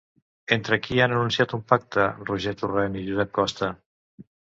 Entre qui han anunciat un pacte Roger Torrent i Josep Costa?